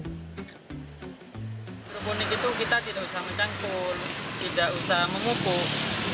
troponik itu kita tidak usah mencangkul tidak usah mengupuk